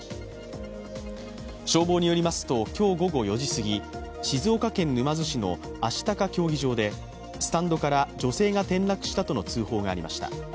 消防によりますと、今日午後４時すぎ、静岡県沼津市の愛鷹競技場で、スタンドから女性が転落したとの通報がありました。